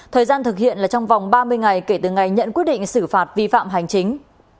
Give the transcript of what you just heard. thời gian thực hiện là trong vòng ba mươi ngày kể từ ngày nhận quyết định xử phạt vi phạm hành chính